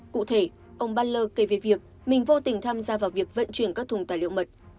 cụ thể ông banler kể về việc mình vô tình tham gia vào việc vận chuyển các thùng tài liệu mật